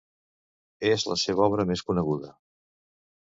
És la seva obra més coneguda.